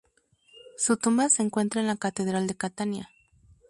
Su tumba se encuentra en la catedral de Catania.